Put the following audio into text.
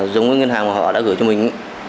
giống như ngân hàng họ đã gửi cho mình